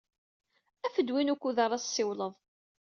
Af-d win wukud ara tessiwled.